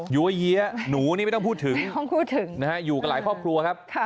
อยู่เยี้ยะหนูนี้ไม่ต้องพูดถึงอยู่กับหลายครอบครัวครับ